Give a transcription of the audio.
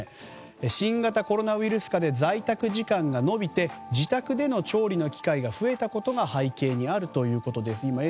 新型コロナウイルス禍で在宅時間が伸びて自宅での調理の機会が増えたことが要因だということです。